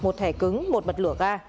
một thẻ cứng một mật lửa ga